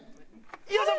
よいしょ！